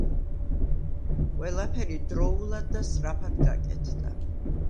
ყველაფერი დროულად და სწრაფად გაკეთდა.